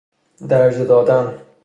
درجه دادن